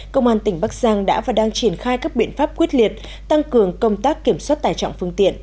công an tỉnh bắc giang đã và đang triển khai các biện pháp quyết liệt tăng cường công tác kiểm soát tài trọng phương tiện